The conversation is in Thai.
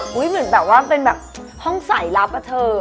เหมือนแบบว่าเป็นแบบห้องสายลับอะเธอ